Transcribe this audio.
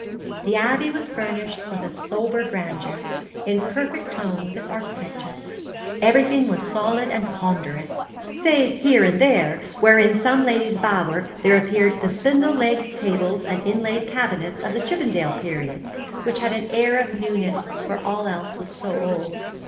The Abbey was furnished with a sober grandeur, in perfect tone with its architecture. Everything was solid and ponderous, save here and there, where in some lady's bower there appeared the spindle legged tables and inlaid cabinets of the Chippendale period, which had an air of newness where all else was so old.